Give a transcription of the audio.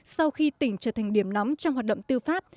sau khi tỉnh trở thành điểm nóng trong hoạt động tư pháp